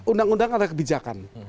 undang undang ada kebijakan